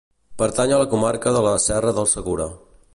Pertany a la comarca de la Serra del Segura.